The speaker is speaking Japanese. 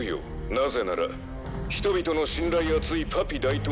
「なぜなら人々の信頼厚いパピ大統領